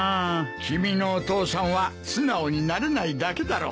君のお父さんは素直になれないだけだろう。